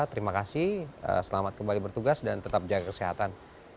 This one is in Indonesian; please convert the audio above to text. terima kasih selamat kembali bertugas dan tetap jaga kesehatan